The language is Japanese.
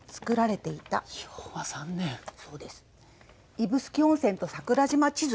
「指宿温泉と桜島地図」